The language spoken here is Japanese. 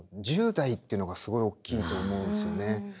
１０代ってのがすごいおっきいと思うんですよね。